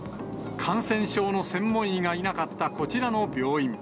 感染症の専門医がいなかったこちらの病院。